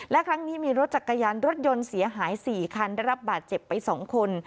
และครั้งนี้มีรถจักรยานยนต์รถยนต์เสียหาย๔คันได้รับบาดเจ็บไป๒คน